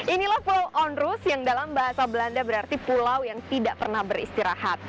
inilah pulau onrus yang dalam bahasa belanda berarti pulau yang tidak pernah beristirahat